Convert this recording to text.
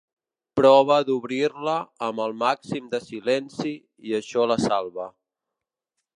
Prova d'obrir-la amb el màxim de silenci i això la salva.